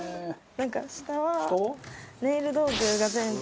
なんか下はネイル道具が全部。